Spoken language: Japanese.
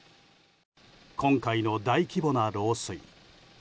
今回の大規模な漏水。